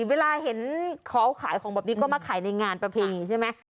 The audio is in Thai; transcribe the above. เวลาเห็นเขาขายของแบบนี้ก็มาขายในงานประเพณีใช่ไหม